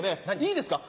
いいですか？